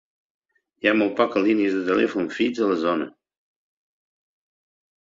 Hi ha molt poques línies de telèfon fix a la zona.